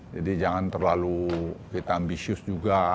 jadi jangan terlalu ambisius juga